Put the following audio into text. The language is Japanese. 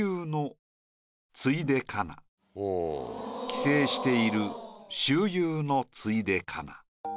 「帰省してゐる周遊のついでかな」。